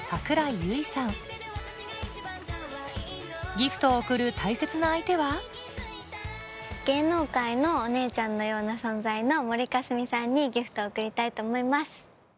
ギフトを贈る大切な相手は芸能界のお姉ちゃんのような存在の森香澄さんにギフトを贈りたいと思います。